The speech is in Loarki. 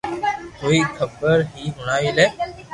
تو ھي خبر ھي ھڻاوي لي